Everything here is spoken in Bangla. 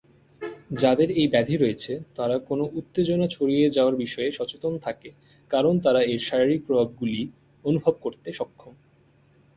যাদের এই ব্যাধি রয়েছে তারা কোনও উত্তেজনা ছড়িয়ে যাওয়ার বিষয়ে সচেতন থাকে, কারণ তারা এর শারীরিক প্রভাবগুলি অনুভব করতে সক্ষম।